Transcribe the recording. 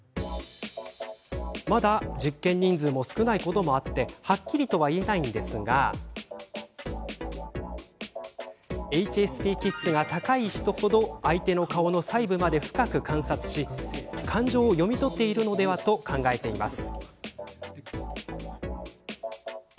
まだ実験人数も少ないこともありはっきりとは言えないんですがＨＳＰ気質が高い人程相手の顔の細部まで深く観察し感情を読み取っているのではと考えています。